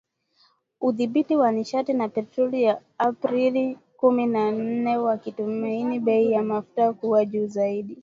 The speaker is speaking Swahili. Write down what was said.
Udhibiti wa Nishati na Petroli Aprili kumi na nne wakitumaini bei ya mafuta kuwa juu zaidi